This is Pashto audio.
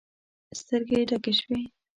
سترګې يې ډکې شوې.